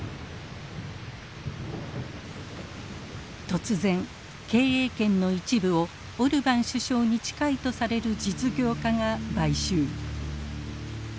突然経営権の一部をオルバン首相に近いとされる実業家が買収。